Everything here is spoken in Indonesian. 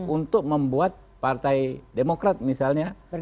untuk membuat partai demokrat misalnya